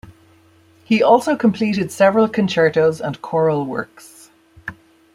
He also completed several concertos and choral works.